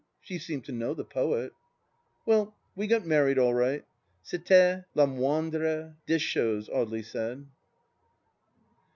. She seemed to know the poet. ... Well, we got married all right. C'tiait la moindre des choses, Audely said.